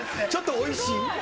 おいしい。